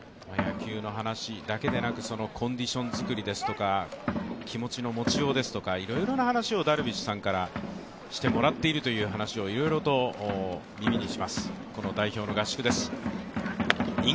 野球の話だけでなくコンディションづくりですとか気持ちの持ちようですとか、いろいろな話をダルビッシュさんからしてもらっているという話を、いろいろと耳にします、この代表の合宿です。